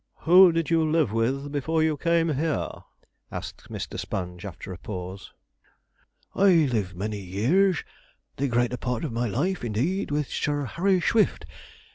'Who did you live with before you came here?' asked Mr. Sponge, after a pause. 'I lived many years the greater part of my life, indeed with Sir Harry Swift.